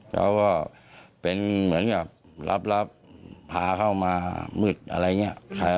แล้วก็เป็นเหมือนกับรับพาเข้ามามืดอะไรอย่างนี้